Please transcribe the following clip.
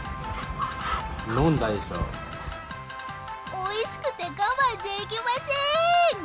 おいしくて我慢できません！